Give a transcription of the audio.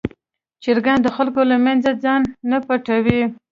چرګان د خلکو له منځه ځان نه پټوي.